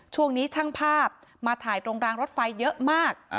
ช่วงนี้ช่างภาพมาถ่ายตรงรางรถไฟเยอะมาก